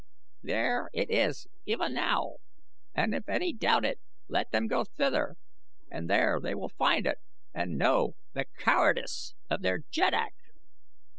There it is even now, and if any doubt it let them go thither and there they will find it and know the cowardice of their jeddak."